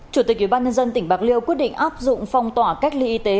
chủ tịch ubnd tỉnh bạc liêu quyết định áp dụng phong tỏa cách ly y tế